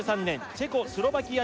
チェコスロバキア